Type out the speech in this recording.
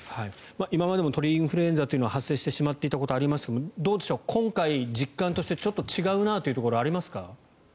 今までも鳥インフルエンザというのは発生してしまっていたことがありましたがどうでしょう、今回実感としてちょっと違うなというところはありますか？